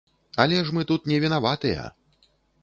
Але ж мы тут не вінаватыя!